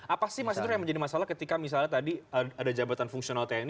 apa sih mas itu yang menjadi masalah ketika misalnya tadi ada jabatan fungsional tni